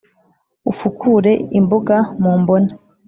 Ufukure imbuga mu mbone